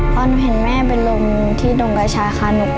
พอหนูเห็นแม่เป็นลมที่ดงกระชาคานุก